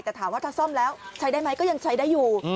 แต่ถามว่าถ้าซ่อมแล้วใช้ได้ไหมก็ยังใช้ได้อยู่